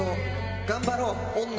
頑張ろう女。